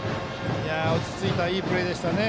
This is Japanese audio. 落ち着いたいいプレーでしたね。